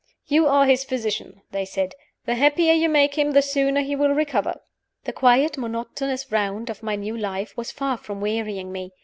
"You are his physician," they said; "the happier you make him, the sooner he will recover." The quiet, monotonous round of my new life was far from wearying me.